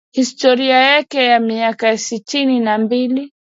historia yake ya miaka sitini na mbili